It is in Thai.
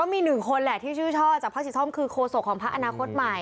ก็มีหนึ่งคนแหละที่ชื่อชอบจากภักดิ์สีส้มคือโคโสกของพระอนาคตใหม่